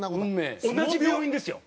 同じ病院ですよ？